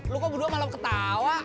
lo kok berdua malam ketawa